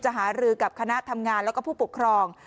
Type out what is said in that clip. หารือกับคณะทำงานแล้วก็ผู้ปกครอง